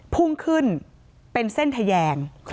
พุ่งขึ้นเป็นเส้นทะแยง